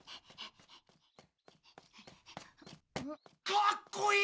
かっこいい！